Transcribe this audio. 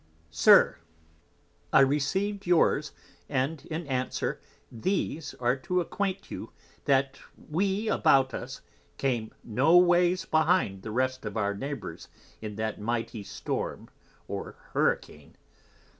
SIR, I received yours, and in Answer these are to acquaint you; That we about us came no ways behind the rest of our Neighbours in that mighty Storm or Hurricane.